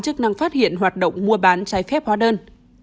chức năng phát hiện hoạt động mua bán trái phép hóa đơn